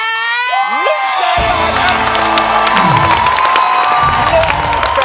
มูลค่าหนึ่งแสนบาทครับ